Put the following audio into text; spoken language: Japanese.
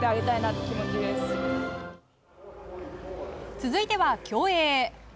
続いては競泳。